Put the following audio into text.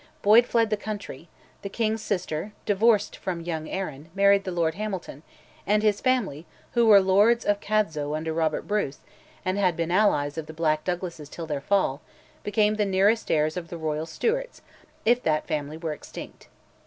Boyd fled the country; the king's sister, divorced from young Arran, married the Lord Hamilton; and his family, who were Lords of Cadzow under Robert Bruce, and had been allies of the Black Douglases till their fall, became the nearest heirs of the royal Stewarts, if that family were extinct.